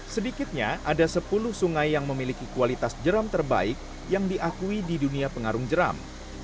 sedikitnya ada sepuluh sungai yang memiliki kualitas jeram terbaik yang diakui di dunia pengarung jeram